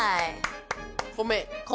米。